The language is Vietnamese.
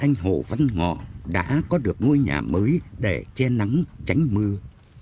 anh hồ văn ngọ đã có được ngôi nhà mới để che nắng tránh mưa